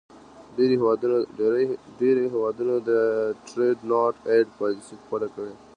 ډیری هیوادونو د Trade not aid پالیسي خپله کړې.